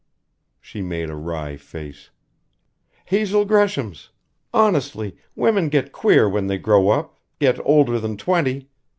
She made a wry face: "Hazel Gresham's. Honestly, women get queer when they grow up get older than twenty.